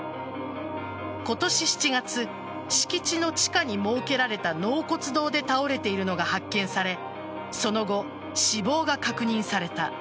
今年７月敷地の地下に設けられた納骨堂で倒れているのが発見されその後、死亡が確認された。